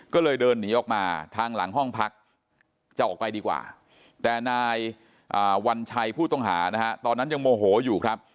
ก็เลยเดินหนีออกมาทางหลังห้องพักจะออกไปดีกว่าแต่นายวัญชัยผู้ต้องหานะฮะตอนนั้นยังโมโหอยู่ครับ